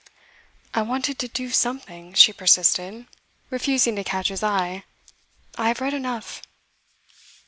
'I wanted to do something,' she persisted, refusing to catch his eye. 'I have read enough.